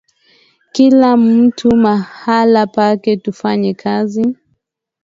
kila mtu mahala pake tufanye kazi